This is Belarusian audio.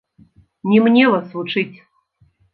Не мне вас вучыць.